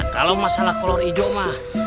kalau masalah kolor hijau mah